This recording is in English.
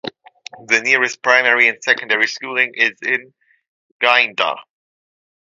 The nearest primary and secondary schooling is in Gayndah.